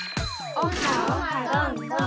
オハオハどんどん！